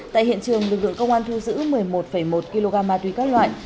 tại hiện trường lực lượng công an thu giữ một mươi một một kg ma túy các loại